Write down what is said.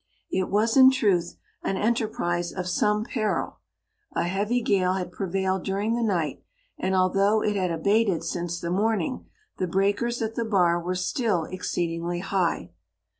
It was in truth an enterprise of some 80 peril; a heavy gale had prevailed du ring the night, and although it had abated since the morning, the breakers at the bar were still exceedingly high.